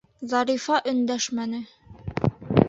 Зарифа өндәшмәне.